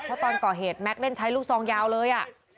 พอตอนเกาะเหตุแม็คใช้รูซองยาวเลย